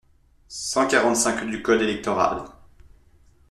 cent quarante-cinq du code électoral.